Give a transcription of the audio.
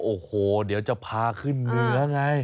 โอ้โหเดี๋ยวจะพาขึ้นเหนือไง